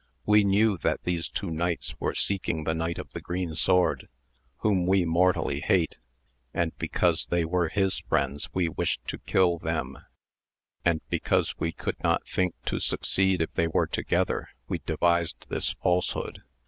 We knew that these two knights were seeking the Knight of the Green Sword, whom we mortally hate, and because they were his friends we wished to kill them ; and because we could not think to succeed if they were together, we devised this falsehood.